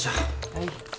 はい。